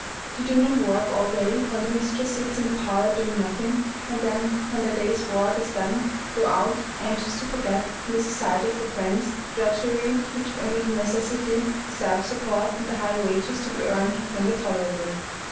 They do not work all day while the mistress sits in the parlor doing nothing, and then, when their day's work is done, go out, anxious to forget, in the society of their friends, the drudgery which only the necessity for self support and the high wages to be earned render tolerable.